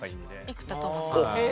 生田斗真さん。